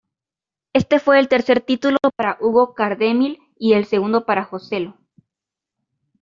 Este fue el tercer título para Hugo Cardemil y el segundo para "Joselo" Astaburuaga.